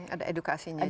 ada edukasinya juga